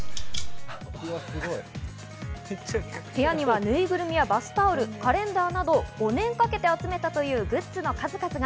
部屋にはぬいぐるみやバスタオル、カレンダーなど、５年かけて集めたというグッズの数々が。